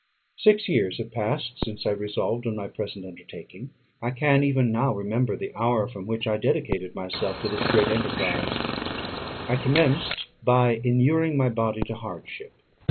Six years have passed since I resolved on my present undertaking. I can, even now, remember the hour from which I dedicated myself to this great enterprise. I commenced by inuring my body to hardship.